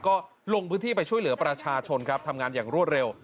ก็ลงพื้นที่ไปช่วยเหลือประชาชนครับทำงานอย่างรวดเร็ว